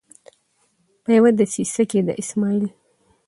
په یوه دسیسه کې د اسمعیل